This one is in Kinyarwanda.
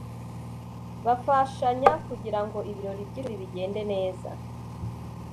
bafashanya kugirango ibirori byishuri bigende neza